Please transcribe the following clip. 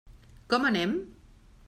Com anem?